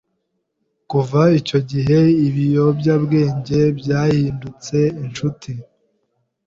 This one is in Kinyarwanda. kuva icyo gihe ibiyobyabwenge byahindutse inshuti\